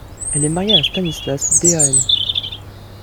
Elle est mariée à Stanislas Dehaene.